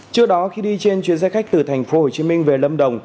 trước đó khi đi trên chuyến xe khách từ tp hcm về lâm đồng